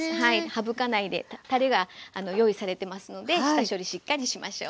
省かないでたれが用意されてますので下処理しっかりしましょう。